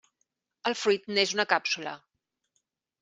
El fruit n'és una càpsula.